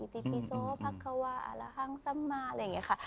ติปิโซพักควาอาระฮังสัมมาอะไรอย่างนี้ค่ะ